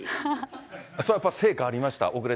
それやっぱり成果ありました？